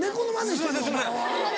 すいませんすいません。